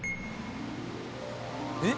「えっ？」